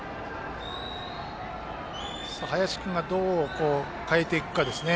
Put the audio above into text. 林君がどう変えていくかですね。